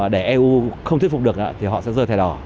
để eu không thuyết phục được thì họ sẽ rơi thẻ đỏ